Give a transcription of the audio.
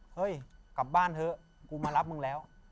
เฮ้ยกลับบ้านเถอะกูมารับมึงแล้ว